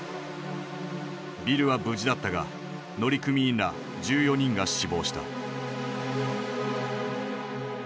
ビルは無事だったが乗組員ら１４人が死亡した。